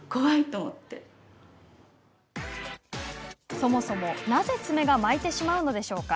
そもそも、なぜ爪が巻いてしまうのでしょうか？